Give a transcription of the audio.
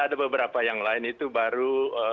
ada beberapa yang lain itu baru